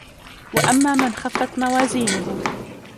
وأما من خفت موازينه